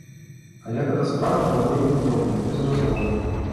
Але гэта справа была вельмі дробная, без разгону.